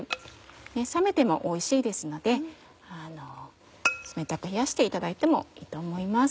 冷めてもおいしいので冷たく冷やしていただいてもいいと思います。